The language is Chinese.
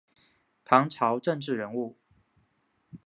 唐朝政治人物。